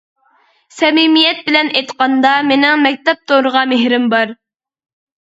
سەمىمىيەت بىلەن ئېيتقاندا، مېنىڭ مەكتەپ تورىغا مېھرىم بار.